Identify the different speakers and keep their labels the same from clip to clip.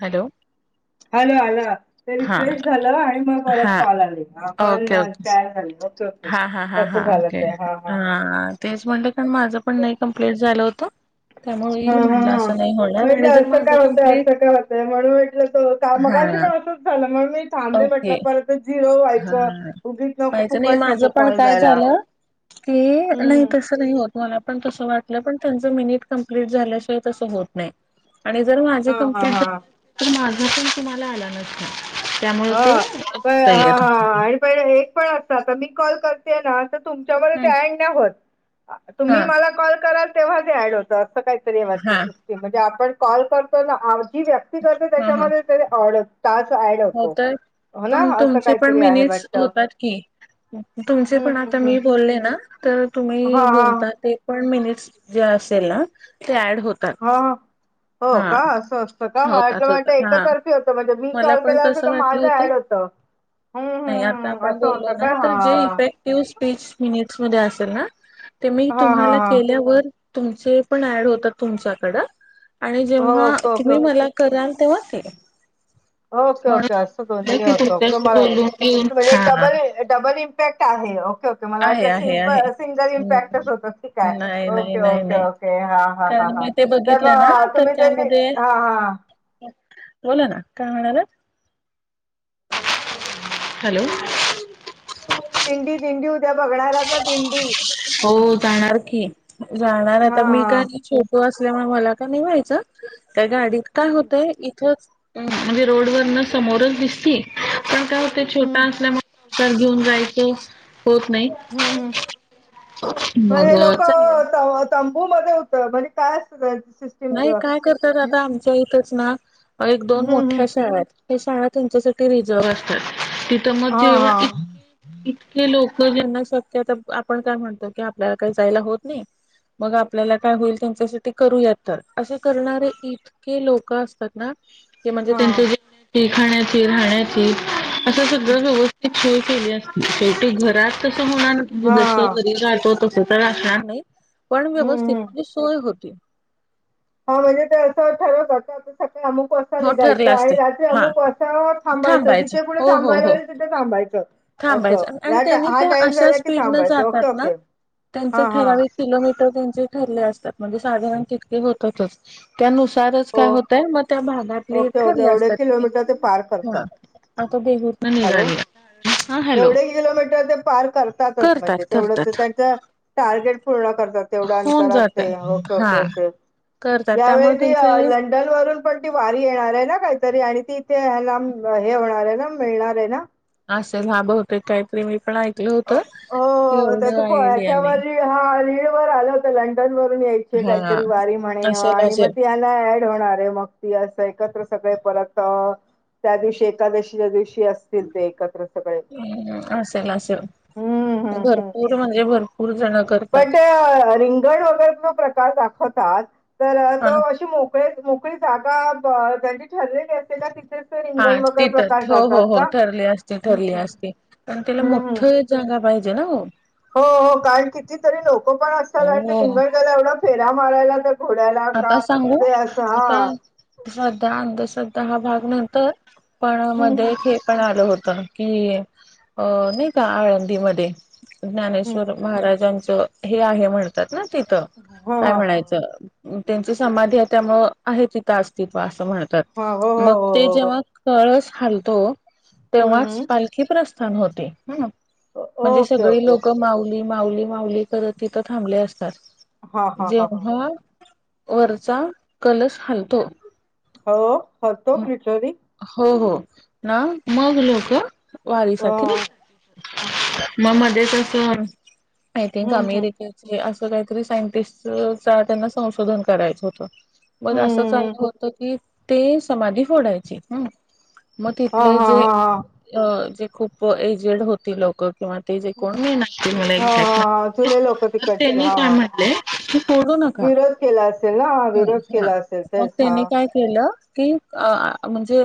Speaker 1: Hello.
Speaker 2: Hello hello. ते
Speaker 1: हा
Speaker 2: refresh झालं आणि म परत
Speaker 1: हा
Speaker 2: कॉल आले हा कॉल
Speaker 1: ओके ओके
Speaker 2: त्या ऍड झाला ओके ओ
Speaker 1: हा हा हा हा ओके हा हा तेच म्हणलं कारण माझं पण नाही कंप्लिट झालं होतं त्यामुळे
Speaker 2: हा
Speaker 1: येईल
Speaker 2: हा
Speaker 1: म्हणलं
Speaker 2: मी
Speaker 1: असं नाही होणार
Speaker 2: म्हटलं
Speaker 1: आणि जर
Speaker 2: असं
Speaker 1: माझं
Speaker 2: काय होतय
Speaker 1: कंप्लीट
Speaker 2: असं काय होतय म्हणून म्हटलं तर
Speaker 1: हा
Speaker 2: मगाशी पण असंच झालं मंग मी थांबले
Speaker 1: ओके
Speaker 2: म्हटलं परत ते झिरो
Speaker 1: हा
Speaker 2: व्हायचं उगीच नको
Speaker 1: पाहिजे
Speaker 2: फुकट नको कॉल जायला.
Speaker 1: कि
Speaker 2: हम्म
Speaker 1: नाही तसं क नाही होत मला पण तस वाटलं पण त्यांच मिनिट कंपलीट झाल्याशिवाय तसं होत नाही. आणि जर माझे
Speaker 2: हम्म हा हा
Speaker 1: कंप्लीट
Speaker 2: हा
Speaker 1: झाला [inaudible] माझा पण तुम्हाला आला नसणार. त्यामुळे
Speaker 2: हा प हा
Speaker 1: ते. [inaudible]
Speaker 2: हा आणि पहिले हे एक पण असतं आता मी कॉल कर ते ना तर तुमच्याकडे
Speaker 1: हा
Speaker 2: ते ऍड नाही होत तुम्ही
Speaker 1: हा
Speaker 2: मला कॉल कराल तेव्हा ते ऍड होत. तर असं काहीतरी वाटतं
Speaker 1: हा
Speaker 2: सिस्टिम म्हणजे आपण कॉल करतो ना आजी वै ती करते त्याच्यामध्ये ते ओड टास्क ऍड
Speaker 1: हो
Speaker 2: होतो.
Speaker 1: तर
Speaker 2: हो ना
Speaker 1: पण
Speaker 2: असं
Speaker 1: तुमचे पण
Speaker 2: काहीतरी आहे
Speaker 1: मिनिट्स
Speaker 2: वाटतं
Speaker 1: होतात की. तुमचे
Speaker 2: हम्म
Speaker 1: पण आता
Speaker 2: हम्म हम्म
Speaker 1: मी बोलले ना तर
Speaker 2: हा
Speaker 1: तुम्ही
Speaker 2: हा
Speaker 1: बोलतात ते पण मिनिट्स जे असेल ना ते ऍड होतात.
Speaker 2: हा हा. हो
Speaker 1: हा
Speaker 2: का असं असतं का मला
Speaker 1: होतात
Speaker 2: वाटलं
Speaker 1: होतात हा
Speaker 2: एकतर्फी होतं म्हणजे मी
Speaker 1: मला
Speaker 2: कॉल
Speaker 1: पण
Speaker 2: केला असं
Speaker 1: तसं
Speaker 2: तर
Speaker 1: वाटलं
Speaker 2: माझा ऍड होतं. हम्म
Speaker 1: नाही
Speaker 2: हम्म
Speaker 1: आता
Speaker 2: हम्म
Speaker 1: आपण
Speaker 2: असं
Speaker 1: बोललो
Speaker 2: होतं
Speaker 1: ना
Speaker 2: का
Speaker 1: तर
Speaker 2: हा
Speaker 1: जे इपेक तीव स्पीच मिनिटस मध्ये असेल ना ते मी
Speaker 2: हा हा
Speaker 1: तुम्हाला
Speaker 2: हा
Speaker 1: केल्यावर तुमचे पण ऍड होतं तुमच्याकडं? आणि
Speaker 2: हो
Speaker 1: जेव्हा
Speaker 2: ओके ओके
Speaker 1: तुम्ही मला कराल तेव्हा ते.
Speaker 2: ओके
Speaker 1: म्हणून
Speaker 2: ओके असं
Speaker 1: म्हटलं
Speaker 2: दोन्ही
Speaker 1: की
Speaker 2: होतं क
Speaker 1: तुमच्याशी
Speaker 2: मला
Speaker 1: बोलून घेऊन हा
Speaker 2: डबल ए डबल इ येत आहे ओके ओ तुम्हाला
Speaker 1: आहे,
Speaker 2: वाटलं
Speaker 1: आहे,
Speaker 2: सिम्प
Speaker 1: आहे.
Speaker 2: सिंगल
Speaker 1: हम्म.
Speaker 2: इम्पॅक्टच होतात कि काय
Speaker 1: नाही, नाही,
Speaker 2: ओके
Speaker 1: नाही,
Speaker 2: ओके
Speaker 1: नाही.
Speaker 2: ओ ते हा हा हा
Speaker 1: कारण
Speaker 2: हा
Speaker 1: मी ते
Speaker 2: तर म
Speaker 1: बघितलं ना
Speaker 2: अ तुम्ही त्याची हा हा
Speaker 1: हो ना काय म्हणालात हॅलो.
Speaker 2: दिंडी दिंडी उद्या बघणार आहेत ना दिंडी.
Speaker 1: हो जाणार की जाणार
Speaker 2: हां
Speaker 1: आता मी काय
Speaker 2: हां
Speaker 1: [unintelligible] तो असल्यामुळे मला का नाय व्हायचं त्या गाडीत काय होतय इथचं उम्म म्हणजे रोडवरनं समोरच दिसती पण काय होते
Speaker 2: हं,
Speaker 1: छोटा असल्यामुळं तर घेऊन जायचं होत नाही.
Speaker 2: हम्म हम्म म
Speaker 1: मग
Speaker 2: हे
Speaker 1: चाललंय
Speaker 2: लोकं तव्हा तंबू मध्ये होतं म्हणजे काय असतं. [unintelligible]
Speaker 1: नाही काय करतात आता आमच्या इथचं ना एक दोन मोठ्या शाळा आहेत. ते साळा त्यांच्यासाठी रिझर्व असतात तिथं मग
Speaker 2: हां
Speaker 1: जेवण.
Speaker 2: हां
Speaker 1: [inaudible] इतके लोक ज्यांना सतत अप आपण काय म्हणतो की आपल्याला काही जायला होत नाही मग आपल्याला काय होईल त्यांच्यासाठी करूया तर असे करणारे इतके लोक असतात ना की म्हणजे
Speaker 2: हां हां
Speaker 1: त्यांचे जे खाण्याची राहण्याची असं सगळं व्यवस्थित सोय केली असते शेवटी घरात तस होणार तजे जस
Speaker 2: हां
Speaker 1: घरी राहातो तसं तर असणार नाहीत, पण
Speaker 2: हं,
Speaker 1: व्यवस्थित म्हणजे सोय होते.
Speaker 2: हो म्हणजे ते असं ठरवता [unintelligible] आम्हु पण तर
Speaker 1: हो
Speaker 2: निघायचं
Speaker 1: ठरलं
Speaker 2: आणि
Speaker 1: असते
Speaker 2: रात्री
Speaker 1: हा
Speaker 2: अमुक असा थांबायचं जिथे कुठे
Speaker 1: हो हो
Speaker 2: थांबायला
Speaker 1: हो
Speaker 2: होईल तिथे थांबायचं. असं
Speaker 1: थांबायचं आणि
Speaker 2: या टा-
Speaker 1: त्यांनी
Speaker 2: हा
Speaker 1: त्या
Speaker 2: टाइम
Speaker 1: अशा
Speaker 2: झाला की
Speaker 1: स्पीडन
Speaker 2: थांबायचं
Speaker 1: जातात
Speaker 2: ओके
Speaker 1: ना
Speaker 2: ओके
Speaker 1: त्यांच
Speaker 2: हा हा
Speaker 1: ठराविक किलोमीटर त्यांचे ठरले असतात म्हणजे साधारण तितके होतातच. त्यानुसारच
Speaker 2: हो
Speaker 1: काय होतय मग त्या भागातली
Speaker 2: ओके ओके
Speaker 1: ठरले
Speaker 2: एवढे
Speaker 1: असतात
Speaker 2: किलोमीटर ते पार
Speaker 1: हा
Speaker 2: करतात
Speaker 1: आता देहूतन
Speaker 2: हॅलो
Speaker 1: निघाली हा हॅलो
Speaker 2: तेवढे किलोमीटर ते पार करतातच
Speaker 1: करतात
Speaker 2: म्हणजे तेवढं ते
Speaker 1: करतात
Speaker 2: त्यांच टार्गेट पूर्ण करतात. तेवढ्यां
Speaker 1: होऊन
Speaker 2: अंतरात
Speaker 1: जातय
Speaker 2: ओके
Speaker 1: हा
Speaker 2: ओके ओके
Speaker 1: करतात त्यामुळे
Speaker 2: यावेळेस
Speaker 1: त्यांचे
Speaker 2: ते डल वरून पण ती वारी येणार आहे ना काहीतरी आणि ती इथे हे होणार आहे ना मिळणार आहे ना
Speaker 1: असेल हा बहुतेक होते काहीतरी मी पण ऐकल होत
Speaker 2: अ हो त्याच
Speaker 1: एवढं [unintelligible] आणि
Speaker 2: याच्यावर हा रील वर आलं होत लंडन वरून यायची
Speaker 1: हा
Speaker 2: काहीतरी वारी म्हणे
Speaker 1: असेल
Speaker 2: आणि
Speaker 1: असेल
Speaker 2: मग ऍड होणार आहे मग ती अस एकत्र सगळे परत त्या दिवशी एकादशीच्या दिवशी असतील ते एकत्र सगळे
Speaker 1: ह् असेल असेल
Speaker 2: हम्म हम्म हम्म
Speaker 1: भरपूर म्हणजे भरपूर जण करतात.
Speaker 2: पण ते रिंगण वैगेरे तो प्रकार दाखवतात तर
Speaker 1: हा
Speaker 2: तो अ मो मोकळी जागा ज्यांची ठरलेली असेल ना ती
Speaker 1: हा तिथ हो हो हो ठरली असते
Speaker 2: हम्म
Speaker 1: ठरली असती
Speaker 2: हम्म
Speaker 1: पण तिला
Speaker 2: हम्म
Speaker 1: मोठं जागा पाहिजे ना हो
Speaker 2: हो हो कारण कितीतरी लोक पण असतात आणि ते
Speaker 1: हो
Speaker 2: रिंगण त्याला एवढ्या फेऱ्या मारायला तर घोड्याला
Speaker 1: आता
Speaker 2: का
Speaker 1: सांगू
Speaker 2: जे अस हा
Speaker 1: आता श्रद्धा अंधश्रद्धा हा भाग नंतर पण
Speaker 2: हम्म
Speaker 1: मध्ये पण आलं होत की अ नाही का आळंदीमध्ये
Speaker 2: हम्म हम्म.
Speaker 1: ज्ञानेश्वर महाराजांचं हे आहे म्हणतात ना तिथं
Speaker 2: हा
Speaker 1: काय म्हणायचं. त्यांची समाधी आहे त्यामुळे आहे तिथं अस्तित्व असं
Speaker 2: हा हा हा हो हो हो हो
Speaker 1: म्हणतात मग ते
Speaker 2: हो
Speaker 1: जेव्हा कळस हालतो
Speaker 2: हम्म
Speaker 1: तेव्हाच
Speaker 2: हम्म
Speaker 1: पालखी प्रस्थान होते ह
Speaker 2: ओ-
Speaker 1: म्हणजे
Speaker 2: ओके
Speaker 1: सगळी
Speaker 2: ओके
Speaker 1: लोकं माऊली, माऊली, माऊली करत तिथं थांबले असतात
Speaker 2: हा हा हा हा
Speaker 1: जेव्हा वरचा कलश हालतो
Speaker 2: हो हरतो [unintelligible]
Speaker 1: हो हो ना मग लोक वारीसाठी
Speaker 2: हम्म
Speaker 1: निघतात. मग मध्येच कसं आय थिंक
Speaker 2: हम्म हम्म
Speaker 1: अमेरिकेत असं काहीतरी सायंटिस्टचं त्यांना संशोधन करायचं होतं मग असं
Speaker 2: हम्म.
Speaker 1: चाललं होत की ते समाधी फोडायची ह मग
Speaker 2: हा
Speaker 1: तिथले
Speaker 2: हा
Speaker 1: जे
Speaker 2: हा हा
Speaker 1: जे खूप एजेड होती लोक, किंवा ते जे कोण मेन असतील मला
Speaker 2: हा
Speaker 1: एक्झॅक्ट
Speaker 2: हा हा
Speaker 1: माहिती नाही.
Speaker 2: जुने लोक
Speaker 1: तर
Speaker 2: तिकडची
Speaker 1: त्यांनी
Speaker 2: हा
Speaker 1: काय
Speaker 2: हा
Speaker 1: म्हटलेय की सोडू नका.
Speaker 2: विरोध केला असेल ना
Speaker 1: हं
Speaker 2: विरोध
Speaker 1: हा
Speaker 2: केला असेल
Speaker 1: मग
Speaker 2: तेच ह
Speaker 1: त्यांनी काय केलं की म्हणजे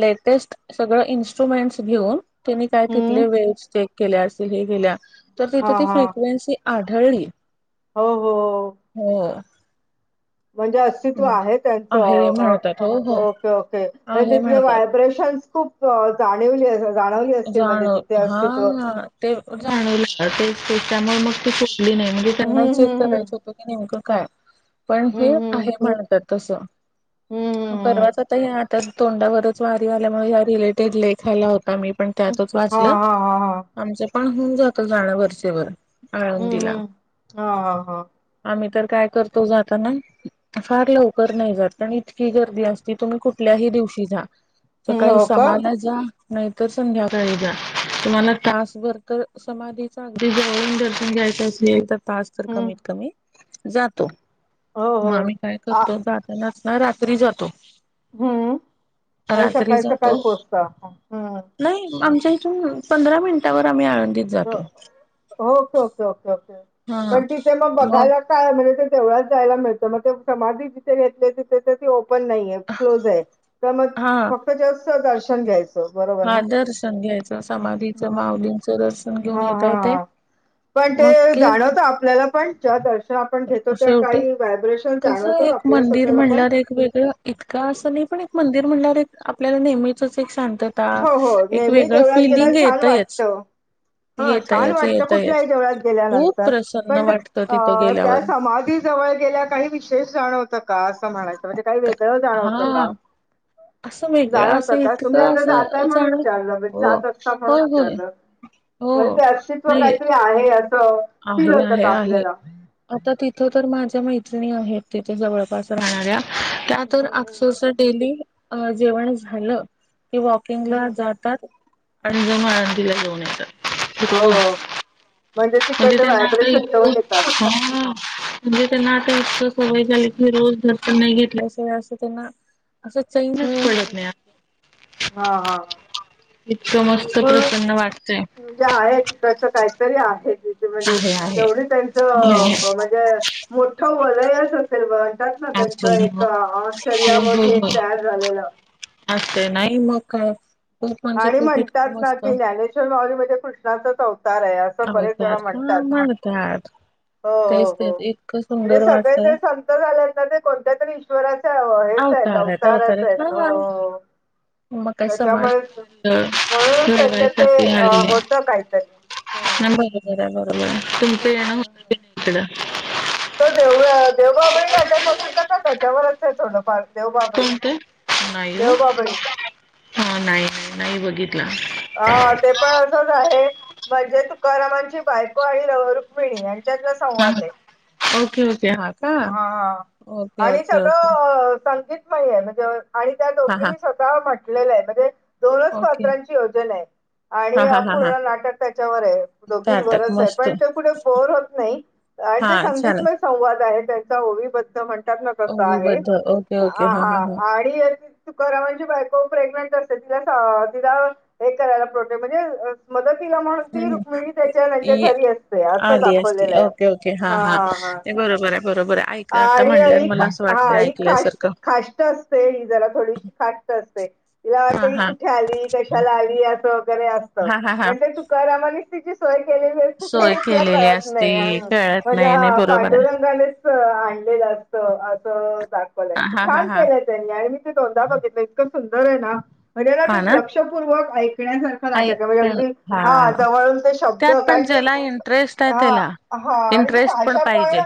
Speaker 1: लेटेस्ट सगळं इन्स्ट्रुमेंट्स घेऊन, त्यांनी काय
Speaker 2: हम्म
Speaker 1: तिथले वे चेक केल्या असल हे केल्या तर तिथे
Speaker 2: हा
Speaker 1: ती
Speaker 2: हा
Speaker 1: फ्रिक्वेन्सी आढळली
Speaker 2: हो हो
Speaker 1: हो
Speaker 2: रथ [unintelligible]
Speaker 1: हं.
Speaker 2: आहे त्यांच
Speaker 1: आहे म्हणतात हो हो
Speaker 2: ओके ओके
Speaker 1: आहे
Speaker 2: तिथले
Speaker 1: म्हणतात
Speaker 2: व्हायब्रेशन् खूप जाणीव नाही अस
Speaker 1: जाणव हा ते जाणवला तेच ते त्यामुळे मग ती सुटली नाही म्हणजे त्याना
Speaker 2: हं,
Speaker 1: चेक
Speaker 2: हं, हं.
Speaker 1: करायच होत की नेमकं काय पण
Speaker 2: हं,
Speaker 1: हे
Speaker 2: हं.
Speaker 1: आहे म्हणतात तस
Speaker 2: हं, हं,
Speaker 1: परवाचता हे आठ त्यात तोंडावरच वारी आल्यामुळे, ह्या रिलेटेड लेख आला होता मी पण
Speaker 2: हं.
Speaker 1: त्यातच
Speaker 2: हां,
Speaker 1: वाचलं
Speaker 2: हां, हां, हां.
Speaker 1: आमचं पण होऊन जात जाणं वरचेवर
Speaker 2: हं,
Speaker 1: आळंदीला.
Speaker 2: हं. हां, हां, हां.
Speaker 1: आम्ही तर काय करतो जाताना फार लवकर नाही जात, कारण इतकी गर्दी असती तुम्ही कुठ कुठल्याही दिवशी जा,
Speaker 2: हं,
Speaker 1: सकाळी
Speaker 2: हो का?
Speaker 1: सहाला जाऊन तर संध्याकाळी जा. तुम्हाला तास भर तर समाधीच अगदी जवळून दर्शन घ्यायचं असेल, तर तास तर
Speaker 2: हं.
Speaker 1: कमीत कमी जातो.
Speaker 2: हो,
Speaker 1: मग
Speaker 2: हो.
Speaker 1: आम्ही काय
Speaker 2: आ
Speaker 1: करतो, जा [unintelligible] रात्री जातो.
Speaker 2: हम्म आणि
Speaker 1: रात्री
Speaker 2: सकाळी सकाळी
Speaker 1: जातो
Speaker 2: पोहोचता हम्म.
Speaker 1: नाही आमच्या इथून पंधरा मिनिटावर आम्ही आळंदीत जातो.
Speaker 2: ओके ओके ओके ओके,
Speaker 1: हा
Speaker 2: पण तिथे मग बघायलाच काय म्हणजे ते तेवढंच जायला मिळतं. मग ते समाधी जिथे घेतली, तिथे ती ओपन नाहीेये क्लोज आहे. तर मग
Speaker 1: हा
Speaker 2: फक्त जास्त दर्शन घ्यायचं. बरोबर
Speaker 1: हा
Speaker 2: ना
Speaker 1: दर्शन घ्यायचं समाधीचं माऊली दर्शन घेऊन
Speaker 2: हा
Speaker 1: येता
Speaker 2: हा
Speaker 1: येतंय.
Speaker 2: हा
Speaker 1: मग की
Speaker 2: आपल्यालापण ज्या दर्शन आपण घेतो, त्या
Speaker 1: शेवटी
Speaker 2: काही व्हायब्रेशन जाणवतो आपल्या स्वतःलापण.
Speaker 1: वेगवेगळं इतकं असं नाही. पण एक मंदिर म्हणल्यावर एक आपल्याला नेहमीचच एक शांत
Speaker 2: हो हो नेहमी देवळात गेल्यावर छान
Speaker 1: येतयच
Speaker 2: वाटतं. हा छान
Speaker 1: येतयच
Speaker 2: वाटत
Speaker 1: येतयच
Speaker 2: कुठल्याही देवळात
Speaker 1: खूप
Speaker 2: गेल्यानंतर.
Speaker 1: प्रसन्न
Speaker 2: पण
Speaker 1: वाटतं
Speaker 2: अ
Speaker 1: तिथं
Speaker 2: त्या
Speaker 1: गेल्यावर
Speaker 2: समाधी जवळ गेल्या, काही विशेष जाणवतं का असं म्हणायचं म्हणजे काही वेगळं जाणवत
Speaker 1: हा
Speaker 2: का?
Speaker 1: असं वेगळं
Speaker 2: जाणवता
Speaker 1: असं
Speaker 2: का तुम्ही
Speaker 1: इतकं
Speaker 2: आधी
Speaker 1: असं
Speaker 2: राहताय म्हणून
Speaker 1: जाण
Speaker 2: विचारलं.
Speaker 1: हो
Speaker 2: जात असता म्हणून
Speaker 1: होय होय
Speaker 2: विचारलं.
Speaker 1: हो
Speaker 2: म्हणजे ते अस्तित्व
Speaker 1: नाही
Speaker 2: काहीतरी ते आहे असं फील
Speaker 1: आहे
Speaker 2: होत
Speaker 1: आहे
Speaker 2: का
Speaker 1: आहे
Speaker 2: आपल्याला?
Speaker 1: आता तिथं तर माझ्या मैत्रिणी आहेत, तिथं जवळपास. राहणाऱ्या त्या
Speaker 2: हं,
Speaker 1: तर [unintelligible] डेली अ जेवण झालं. ते
Speaker 2: हं,
Speaker 1: वॉकिंगला
Speaker 2: हं.
Speaker 1: जातात आणि जाऊन मारुतीला जाऊन येतात रोज.
Speaker 2: हो, म्हणजे तिकड ते
Speaker 1: त्यांना आता
Speaker 2: व्हायब्रेशन
Speaker 1: इतकं
Speaker 2: घेऊन येतात.
Speaker 1: हा. म्हणजे त्यांना आता इतक सवय झाली फिरून, जर त्यांना घेतल्यास ते असं त्यांना असं चैनच
Speaker 2: हं,
Speaker 1: पडत
Speaker 2: हं.
Speaker 1: नाही.
Speaker 2: हां, हां.
Speaker 1: इतकं मन [unintelligible] प्रसन्न वाटतय.
Speaker 2: ते आहे तिकडचं काहीतरी आहे. तिथं म्हणजे
Speaker 1: आहे आहे
Speaker 2: तेवढी त्यांचं म्हणजे मोठं वलयच असेल मग, म्हणतात ना त्यांच
Speaker 1: हो
Speaker 2: एका
Speaker 1: हो हो
Speaker 2: आश्चर्यामध्ये
Speaker 1: हो
Speaker 2: त्या झालेला.
Speaker 1: असते नाही मग काय खूप म्हणजे
Speaker 2: आणि
Speaker 1: खूप इतकं
Speaker 2: म्हणतात ना
Speaker 1: मस्त
Speaker 2: की, ज्ञानेश्वर माऊली म्हणजे कृष्णाचाच अवतार आहे असं. असं बरेचजण
Speaker 1: अवतार हा
Speaker 2: म्हणतात.
Speaker 1: म्हणतात
Speaker 2: हो हो
Speaker 1: तेच
Speaker 2: हो,
Speaker 1: तेच इतकं
Speaker 2: म्हणजे
Speaker 1: सुंदर
Speaker 2: सगळेच
Speaker 1: वाटतंय
Speaker 2: जण सांग असं झाल्यात ना ते कोणत्या तरी ईश्वराच्या हेच आहेत,
Speaker 1: अवतार अवतार
Speaker 2: अवतारच आहेत
Speaker 1: हा
Speaker 2: हो.
Speaker 1: मग काय समाज
Speaker 2: त्याच्यामुळेच म्हणूनच त्याच्या ते
Speaker 1: घडवायसाठी
Speaker 2: अ
Speaker 1: आलेले
Speaker 2: होतं काहीतरी हम्म.
Speaker 1: बर हाय बघा. तुमचं
Speaker 2: हम्म
Speaker 1: येणं होतं की नाही इकडं?
Speaker 2: देवळ देवबाभळी काट्या बघितला का, त्याच्यावरच आहे थोडंफार. देवबाभळी
Speaker 1: कोणतं नाही ओ
Speaker 2: देवबाभळी
Speaker 1: हा नाही, नाही बघितला.
Speaker 2: आ ते पण असंच आहे. म्हणजे तुकारामांची बायको आणि रुक्मिणी यांच्यातला
Speaker 1: हा
Speaker 2: संवाद आहे.
Speaker 1: ओके ओके का
Speaker 2: हा हा
Speaker 1: ओके
Speaker 2: आणि
Speaker 1: ओके ओके
Speaker 2: सगळं संगीत नाही आहे, म्हणजे आणि त्या
Speaker 1: हा हा.
Speaker 2: तुका म्हटलेलं आहे म्हणजे
Speaker 1: ओके
Speaker 2: नियोजन आहे. आणि
Speaker 1: हा हा हा हा
Speaker 2: पूर्ण नाटक त्याच्यावर आहे
Speaker 1: ताटक
Speaker 2: दोघेंवरच आहे
Speaker 1: मस्त
Speaker 2: पण ते पुढे बोर होत नाही. आणि
Speaker 1: हा
Speaker 2: ते
Speaker 1: चालेल
Speaker 2: संगीतमय संवाद आहे त्यांचा ओवीबद्ध म्हण त्यातन तसं
Speaker 1: ओवी
Speaker 2: आहे
Speaker 1: बद्दल ओके ओके हा हा हा
Speaker 2: आणि तुकारामांची म्हणजे बायको प्रेग्नेंट असते तिला तिला हे करायला प्रोटे म्हणजे मदतीला म्हणून ती रुक्मिणी त्याच्या त्यांच्या
Speaker 1: ये
Speaker 2: घरी असते असं
Speaker 1: आली असती
Speaker 2: दाखवलेलं आहे
Speaker 1: ओके ओके
Speaker 2: हा हां हां
Speaker 1: बरोबर आहे, बरोबर आहे. ऐक आता
Speaker 2: आणि
Speaker 1: म्हणल्यावर
Speaker 2: ह ख
Speaker 1: मला असं
Speaker 2: हा
Speaker 1: वाटतं
Speaker 2: ह खाष्ट
Speaker 1: ऐकल्यासारखं
Speaker 2: खाष्ट असते ही जरा थोडीशी खाष्ट असते. तिला वाटत
Speaker 1: हा
Speaker 2: ही
Speaker 1: हा
Speaker 2: कुठे आली कशाला आली असं वगैरे असतं
Speaker 1: हा हा हा
Speaker 2: पण तुकारामांनीच करा मग तिची सोय केली
Speaker 1: सोय
Speaker 2: तिला
Speaker 1: केलेली
Speaker 2: कळत नाही
Speaker 1: असती
Speaker 2: अ
Speaker 1: कळत नाही नाही
Speaker 2: माझ्या
Speaker 1: बरोबर आहे
Speaker 2: पांडुरंगाने आणलेल असत अस दाखवलंय
Speaker 1: हा हा
Speaker 2: छान
Speaker 1: हा
Speaker 2: केलं. मी दोनदा बघितलं इतकं सुंदर आहे ना म्हणजेला
Speaker 1: हा
Speaker 2: ते
Speaker 1: ना
Speaker 2: लक्षपूर्वक ऐकण्या नाटक म्हणजे अगदी हा जवळून ते शब्द
Speaker 1: त्यात पण
Speaker 2: कारण ते
Speaker 1: ज्याला इंटरेस्ट आहे
Speaker 2: हा
Speaker 1: त्याला
Speaker 2: हा आणि ती
Speaker 1: इंटरेस्ट
Speaker 2: भाषा
Speaker 1: पाहिजे
Speaker 2: पण,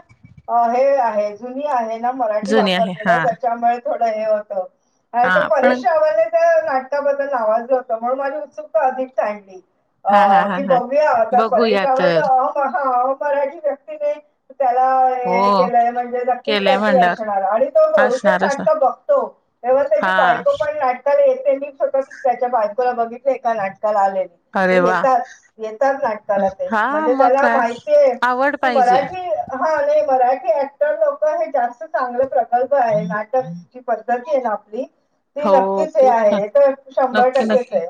Speaker 2: हे आहे जुनी आहे ना मराठी
Speaker 1: जुनी
Speaker 2: वापर
Speaker 1: आहे हा
Speaker 2: केलं त्याच्यामुळे थोडं हे होतं. अरे
Speaker 1: हा
Speaker 2: तो
Speaker 1: पण
Speaker 2: परेश रावल आहे ना. त्या नाटकाबद्दल आवाज ही होता म्हणून माझी उत्सुकता अधिक चांडली. अ
Speaker 1: हा हा हा
Speaker 2: की
Speaker 1: हा
Speaker 2: बघूया आता परेश रावळ तर अ हा अमराठी व्यक्तीने त्याला
Speaker 1: हो
Speaker 2: हे केलंय म्हणजे नक्कीच
Speaker 1: केलंय
Speaker 2: काहीतरी
Speaker 1: म्हणल्यावर
Speaker 2: असणार आणि तो बहुतेक नाटकं
Speaker 1: असणारच ना
Speaker 2: सारखं बघतो. तेव्हा त्याची
Speaker 1: हा
Speaker 2: बायको पण नाटकाला येते. मी स्वतः त्याच्या बायकोला बघितलय एका नाटकाला आलेली.
Speaker 1: अरे
Speaker 2: ते
Speaker 1: वा!
Speaker 2: येतात येतात नाटकाला ते
Speaker 1: हा
Speaker 2: म्हणजे
Speaker 1: मग
Speaker 2: त्याला
Speaker 1: काय
Speaker 2: माहिती आहे
Speaker 1: आवड
Speaker 2: की
Speaker 1: पाहिजे.
Speaker 2: मराठी हा नाही मराठ सत्तर लोक हे जास्त चांगलं प्रकल्प आहे नाटक जी पद्धती आहे ना आपली. ती
Speaker 1: हो
Speaker 2: नक्कीच हे
Speaker 1: खूप छान
Speaker 2: आहे तर शंभर
Speaker 1: नक्की
Speaker 2: टक्केच
Speaker 1: नक्की
Speaker 2: आहे.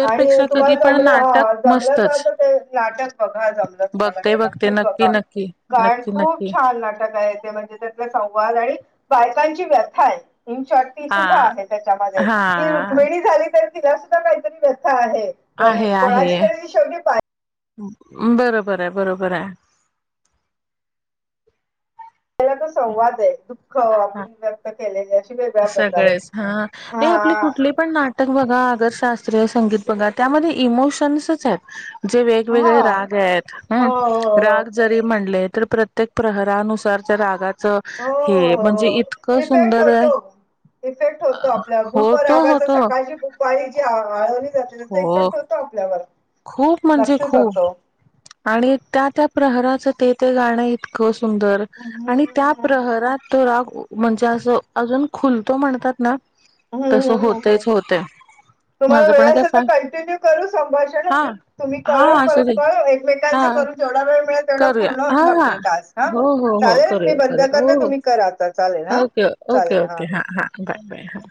Speaker 2: आणि तुम्हाला
Speaker 1: कधी पण
Speaker 2: जमलं
Speaker 1: नाटक
Speaker 2: हा
Speaker 1: मस्तच.
Speaker 2: जमलाच तर ते नाटक बघा हा जमलं जमलं
Speaker 1: बघते
Speaker 2: तर
Speaker 1: बघते
Speaker 2: नक्कीच
Speaker 1: नक्की
Speaker 2: बघा
Speaker 1: नक्की
Speaker 2: कारण
Speaker 1: नक्की
Speaker 2: खूप
Speaker 1: नक्की
Speaker 2: छान छान नाटक आहे ते म्हणजे त्यातला संवाद आणि बायकांची व्यथा आहे. इन शॉटी
Speaker 1: हा
Speaker 2: सुद्धा आहे त्याच्यामध्ये की
Speaker 1: हा.
Speaker 2: रुकमिणी झाली तरी, तिला सुद्धा काहीतरी व्यथा आहे
Speaker 1: आहे आहे
Speaker 2: कोणाची तरी शेवटी बा
Speaker 1: बरोबर आहे बरोबर आहे.
Speaker 2: पहीला तो संवाद आहे दुःख आप
Speaker 1: हा.
Speaker 2: व्यक्त केलेल अस
Speaker 1: सगळेच हा नाही आपली कुठली पण नाट नाटक बघा अगर, शास्त्रीय संगीत बघा त्यामध्ये इमोशन्सच आहेत. जे
Speaker 2: हा
Speaker 1: वेगवेगळे राग आहेत
Speaker 2: हो
Speaker 1: हम्
Speaker 2: हो हो
Speaker 1: राग जरी म्हणले तर प्रत्येक प्रहरानुसार त्या रागाच
Speaker 2: हो हो
Speaker 1: हे
Speaker 2: हो
Speaker 1: म्हणजे
Speaker 2: हो
Speaker 1: इतकं
Speaker 2: इफेक्ट
Speaker 1: सुंदर आहे.
Speaker 2: होतो. इफेक्ट होतो आपल्या भूप
Speaker 1: होतो
Speaker 2: रागाचा
Speaker 1: होतो
Speaker 2: सकाळची भुपाळी जी आळवणी जाते त्याचा
Speaker 1: हो
Speaker 2: इफेक्ट होतो. आपल्यावर
Speaker 1: खूप म्हणजे
Speaker 2: नक्कीच
Speaker 1: खूप
Speaker 2: होतो.
Speaker 1: आणि त्या त्या प्रहराचं ते ते गाणं इतकं सुंदर!
Speaker 2: हम्म
Speaker 1: आणि त्या
Speaker 2: हम्म
Speaker 1: प्रहरात तो राग म्हणजे असं अजून खुलतो म्हणतात ना,
Speaker 2: हम्म..
Speaker 1: तसं
Speaker 2: हम्म.. हम्म.. हम्
Speaker 1: होतेच होते
Speaker 2: तुम्हाला
Speaker 1: माझं
Speaker 2: वेळ
Speaker 1: पण काय
Speaker 2: असेल तर
Speaker 1: फार
Speaker 2: कंटिन्यू करू संभाष
Speaker 1: हा..
Speaker 2: तुम्ही
Speaker 1: हा
Speaker 2: करा
Speaker 1: असू
Speaker 2: परत
Speaker 1: दे
Speaker 2: परत
Speaker 1: हा
Speaker 2: एकमेकांचं करून जेवढा वेळ मिळेल तेवढं
Speaker 1: करूया
Speaker 2: पूर्ण
Speaker 1: हा
Speaker 2: होतील
Speaker 1: हा
Speaker 2: आपले टास्क. हा
Speaker 1: हो हो हो
Speaker 2: चालेल मी
Speaker 1: करूया
Speaker 2: बंद
Speaker 1: करूया हो
Speaker 2: करते
Speaker 1: हो
Speaker 2: तुम्ही करा आता चालेल हा
Speaker 1: ओके ओके
Speaker 2: चालेल हा.
Speaker 1: ओके हां बाय बाय हा